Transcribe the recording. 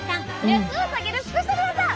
脈を下げるスペシャルワザ！